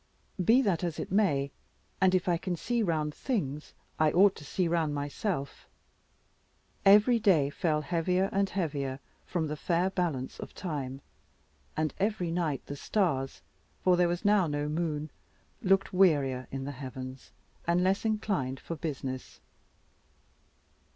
Be that as it may and if I can see round things, I ought to see round myself every day fell heavier and heavier from the fair balance of time; and every night the stars for there was now no moon looked wearier in the heavens, and less inclined for business.